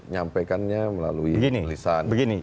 nyampaikannya melalui tulisan